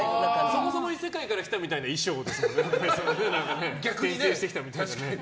そもそも異世界から来たみたいな衣装ですもんね。